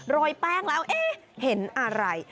รอยแป้งแล้วเฮ้ยเห็นอะไร